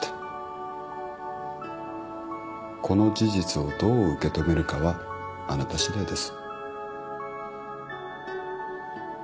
この事実をどう受け止めるかはあなたしだいです。